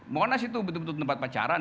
monas itu betul betul tempat pacaran